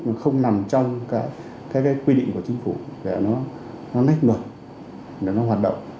mà không nằm trong cái quy định của chính phủ để nó nách luật để nó hoạt động